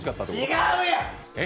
違うやん！